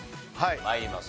参ります。